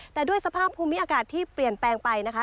แต่ด้วยสภาพภูมิอากาศที่เปลี่ยนแปลงไปนะคะ